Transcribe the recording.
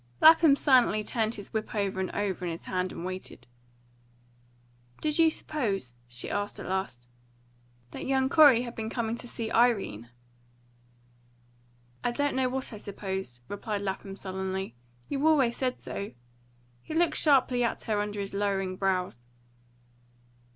Lapham silently turned his whip over and over in his hand and waited. "Did you suppose," she asked at last, "that that young Corey had been coming to see Irene?" "I don't know what I supposed," replied Lapham sullenly. "You always said so." He looked sharply at her under his lowering brows.